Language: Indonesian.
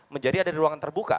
menjadi ada di ruangan terbuka